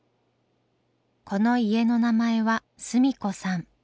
この家の名前はスミコさん。